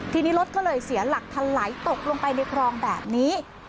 ทีนี้รถก็เลยเสียหลักทันไหลตกลงไปในคลองแบบนี้